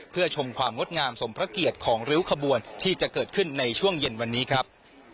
เพื่อชมความงดงามสมพระเกียรติของริ้วขบวนที่จะเกิดขึ้นในช่วงเย็นวันนี้ครับ